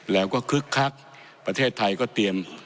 แล้วก็คึกคักประเทศไทยก็เตรียม